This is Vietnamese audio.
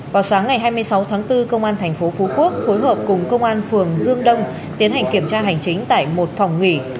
vào sáng ngày hai mươi sáu tháng bốn công an thành phố phú quốc phối hợp cùng công an phường dương đông tiến hành kiểm tra hành chính tại một phòng nghỉ